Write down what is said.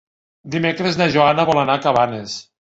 Dimecres na Joana vol anar a Cabanes.